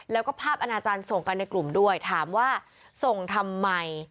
แล้วก็ภาพอนาจารย์ส่งกันในกลุ่มด้วยถามว่าส่งทำไม